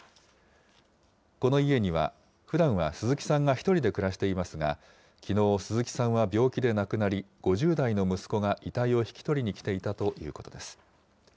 この家には、ふだんは鈴木さんが１人で暮らしていますが、きのう、鈴木さんは病気で亡くなり、５０代の息子が遺体を引き取りに来ていたということです。